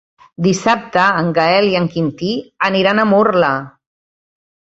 Dissabte en Gaël i en Quintí aniran a Murla.